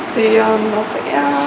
thì nó sẽ